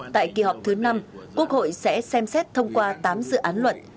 tại kỳ họp thứ năm quốc hội sẽ xem xét thông qua tám dự án luật